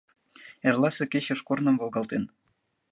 Эрласе кечыш корным волгалтен!